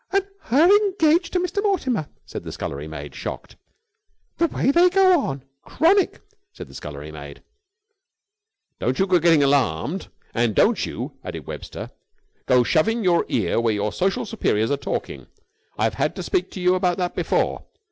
"And her engaged to young Mr. Mortimer!" said the scullery maid shocked. "The way they go on! Chronic!" said the scullery maid. "Don't you go getting alarmed. And don't you," added Webster, "go shoving your ear in when your social superiors are talking. I've had to speak to you about that before.